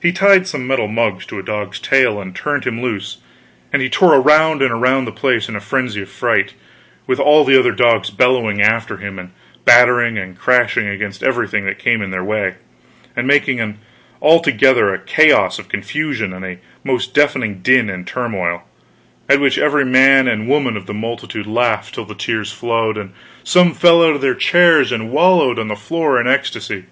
He tied some metal mugs to a dog's tail and turned him loose, and he tore around and around the place in a frenzy of fright, with all the other dogs bellowing after him and battering and crashing against everything that came in their way and making altogether a chaos of confusion and a most deafening din and turmoil; at which every man and woman of the multitude laughed till the tears flowed, and some fell out of their chairs and wallowed on the floor in ecstasy.